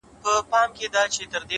فکرونه د عملونو سرچینه ده!